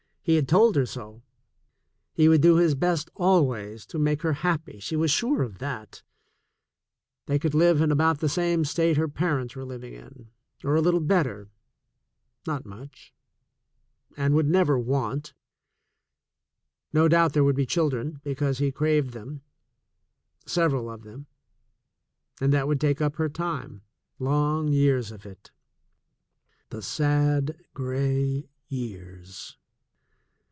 He had told her so. He would do his best always to make her happy, she was sure of that. They could live in about the state her parents were living in — or a little better, not much — and would never want. No doubt there would be children, because he craved them — several of them — and that would take up her time, long years of it — the sad, gray years